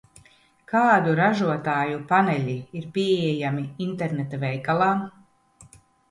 Kādu ražotāju paneļi ir pieejami interneta veikalā?